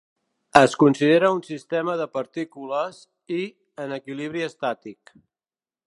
Es considera un sistema de partícules, i, en equilibri estàtic.